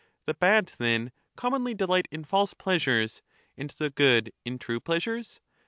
The bad then commonly delight in false pleasures, fancies, and the good in true pleasures